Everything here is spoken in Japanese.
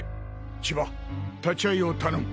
千葉立ち会いを頼む。